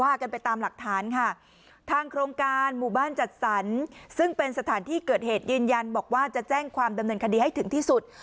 กันไปตามหลักฐานค่ะทางโครงการหมู่บ้านจัดสรรซึ่งเป็นสถานที่เกิดเหตุยืนยันบอกว่าจะแจ้งความดำเนินคดีให้ถึงที่สุด